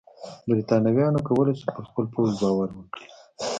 برېټانویانو کولای شول پر خپل پوځ باور وکړي.